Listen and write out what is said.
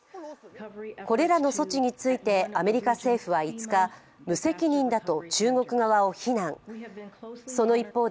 これらの措置についてアメリカ政府は５日、無責任だと中国側を非難。